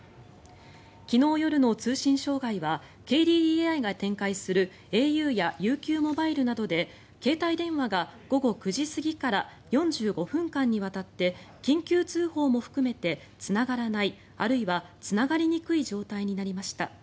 昨日夜の通信障害はＫＤＤＩが展開するａｕやＵＱモバイルなどで携帯電話が午後９時過ぎから４５分間にわたって緊急通報も含めてつながらないあるいはつながりにくい状態になりました。